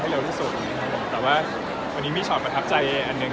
ให้เร็วที่สุดอ่ะผมแต่ว่าวันนี้มีตัวประทับใจอาร์ฟอันหนึ่ง